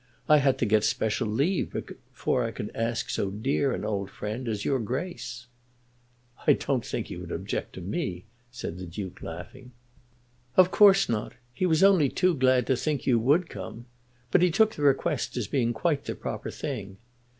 I had to get special leave before I could ask so dear an old friend as your Grace." "I don't think he would object to me," said the Duke, laughing. "Of course not. He was only too glad to think you would come. But he took the request as being quite the proper thing.